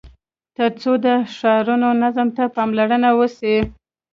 تر څو د ښارونو نظم ته پاملرنه وسي.